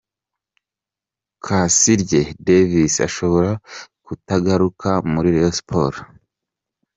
Kasirye Davis ashobora kutagaruka muri Rayon Sports.